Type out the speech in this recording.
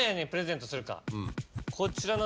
こちらの。